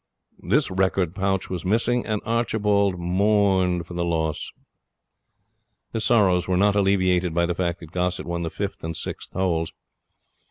This record pouch was missing, and Archibald mourned for the loss. His sorrows were not alleviated by the fact that Gossett won the fifth and sixth holes.